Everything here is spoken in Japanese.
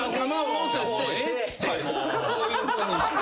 のせてこういうふうにして。